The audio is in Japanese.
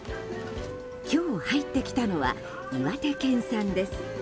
今日入ってきたのは岩手県産です。